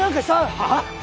・はあ！？